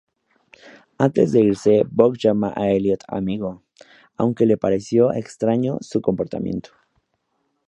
Antes de irse, Boog llama a Elliot "amigo", aunque le pareció extraño su comportamiento.